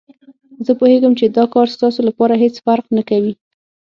زه پوهېږم چې دا کار ستاسو لپاره هېڅ فرق نه کوي.